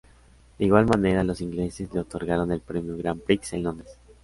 De igual manera, los ingleses le otorgaron el premio "Grand Prix", en Londres.